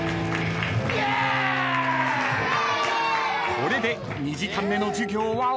［これで２時間目の授業は終わり］